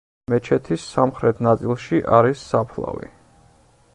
მეჩეთის სამხრეთ ნაწილში არის საფლავი.